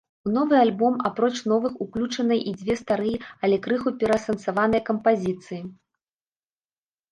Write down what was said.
У новы альбом, апроч новых, уключаныя і дзве старыя, але крыху пераасэнсаваныя кампазіцыі.